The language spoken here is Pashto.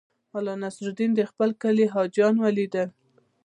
ملا نصرالدین د خپل کلي حاجیان ولیدل.